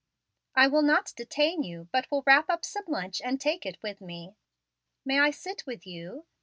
"I will not detain you, but will wrap up some lunch and take it with me. May I sit with you?"